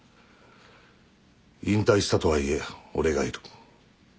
引退したとはいえ俺がいる。